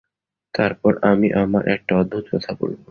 তারপর আমি আমার একটা অদ্ভুদ কথা বলব।